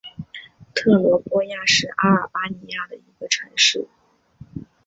特罗波亚是阿尔巴尼亚的一个城市。